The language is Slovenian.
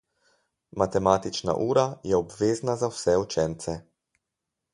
Matematična ura je obvezna za vse učence.